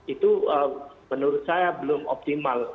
itu menurut saya belum optimal